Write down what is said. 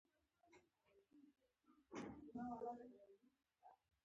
لار مو نه غلطوله.